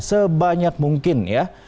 sebanyak mungkin ya